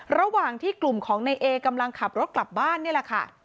ระหว่างที่กลุ่มของในเอกำลังขับรถกลับบ้านนี่แหละค่ะ